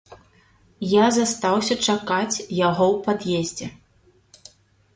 Я застаўся чакаць яго ў пад'ездзе.